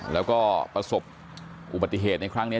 แล้วก็ประสบอุบัติเหตุในครั้งนี้